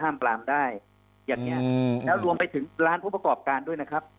สามารถห้ามปรามได้และรวมไปถึงร้านผู้ประกอบการด้วยนะครับ